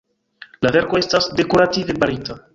La verko estas dekorative barita.